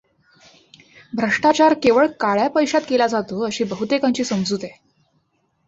भ्रष्टाचार केवळ काळ्या पैशात केला जातो, अशी बहुतेकांची समजूत आहे.